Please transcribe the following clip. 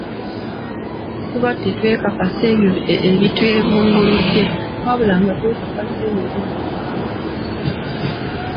Tuba tetwekakasa ebyo ebitwebunguludde, wabula nga twekakasa ebyo ebiri mu bitabo.